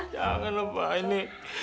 jangan lupa ini